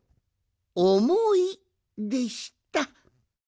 「おもい」でした。